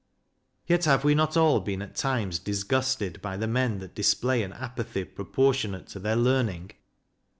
Yet have we not all been at times disgusted by the men that display an apathy proportionate to their learning?